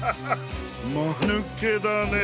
まぬけだねえ。